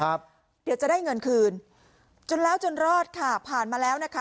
เดี๋ยวจะได้เงินคืนจนแล้วจนรอดค่ะผ่านมาแล้วนะคะ